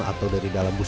atau dari dalam bus